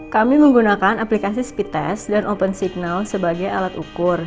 kami menggunakan aplikasi speedtest dan opensignal sebagai alat ukur